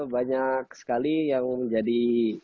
banyak sekali yang jadi